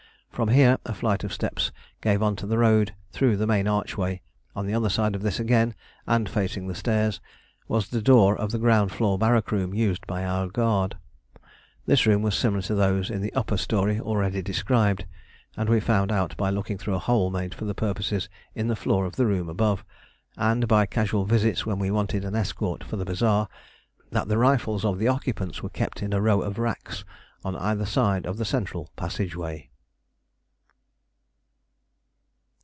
From here a flight of steps gave on to the road through the main archway; on the other side of this again, and facing the stairs, was the door of the ground floor barrack room used by our guard. This room was similar to those in the upper storey already described, and we found out by looking through a hole made for the purpose in the floor of the room above, and by casual visits when we wanted an escort for the bazaar, that the rifles of the occupants were kept in a row of racks on either side of the central passage way.